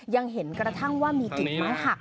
ยังเห็นกระทั่งว่ามีกิ่งไม้หัก